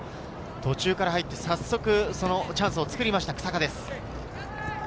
途中から入って早速チャンスを作りました日下です。